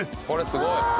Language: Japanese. これすごい。